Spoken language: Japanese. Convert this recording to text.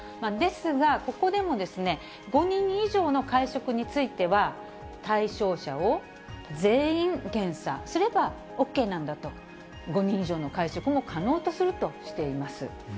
ですが、ここでも５人以上の会食については、対象者を全員検査すればＯＫなんだと、５人以上の会食も可能とするとしています。